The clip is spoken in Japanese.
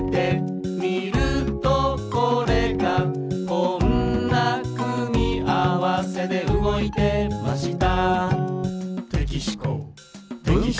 「こんな組み合わせで動いてました」